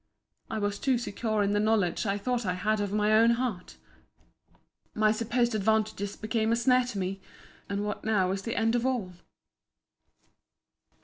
I was too secure in the knowledge I thought I had of my own heart. My supposed advantages became a snare to me. And what now is the end of all?